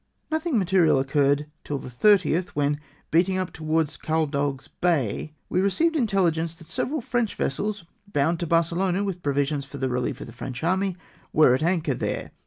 Nothing material occurred till the 30th, when, beat ing up towards Caldagues Bay, we received intelhgence that several French vessels, bound to Barcelona with provisions for the rehef of the French army, were at anchor there.